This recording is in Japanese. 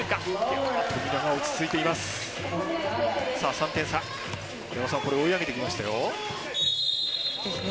３点差追い上げてきましたよ。